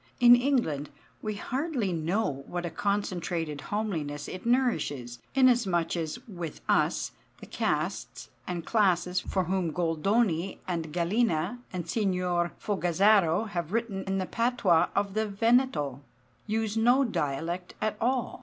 In England we hardly know what a concentrated homeliness it nourishes; inasmuch as, with us, the castes and classes for whom Goldoni and Gallina and Signor Fogazzaro have written in the patois of the Veneto, use no dialect at all.